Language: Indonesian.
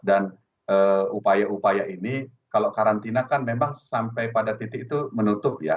dan upaya upaya ini kalau karantina kan memang sampai pada titik itu menutup ya